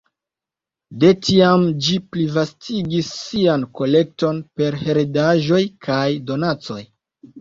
De tiam ĝi plivastigis sian kolekton per heredaĵoj kaj donacoj.